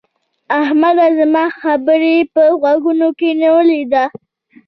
احمده! زما خبره دې په غوږو کې نيولې ده؟